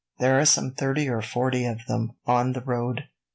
"There are some thirty or forty of them on the road.